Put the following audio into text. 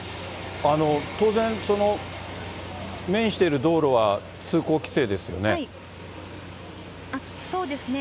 当然、面している道路は通行規制ですよね。